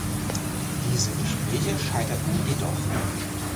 Diese Gespräche scheiterten jedoch.